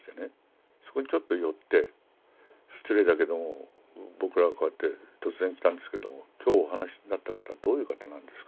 そこにちょっと寄って失礼だけども僕らはこうやって突然来たんですけども今日お話しになった方どういう方なんですかと。